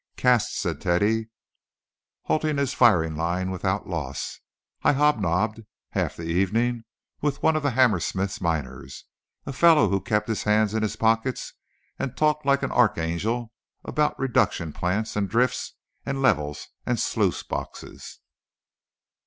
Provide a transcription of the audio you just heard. "Caste," said Teddy, halting his firing line without loss. "I hobnobbed, half the evening with one of Hammersmith's miners, a fellow who kept his hands in his pockets, and talked like an archangel about reduction plants and drifts and levels and sluice boxes."